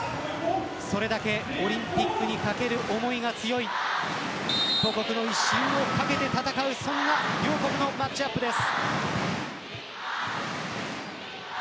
それだけオリンピックに懸ける思いが強い母国の威信を懸けて戦うそんな両国のマッチアップです。